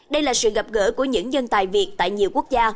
đây là sự gặp gỡ của những dân tài việt tại nhiều quốc gia